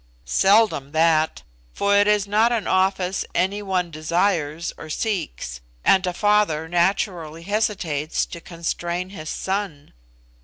"Seldom that; for it is not an office any one desires or seeks, and a father naturally hesitates to constrain his son.